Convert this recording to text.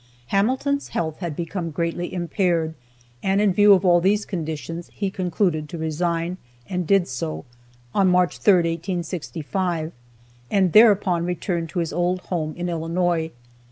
Hamilton's health had become greatly impaired, and in view of all those conditions, he concluded to resign, and did so, on March 3rd, 1865, and thereupon returned to his old home in Illinois.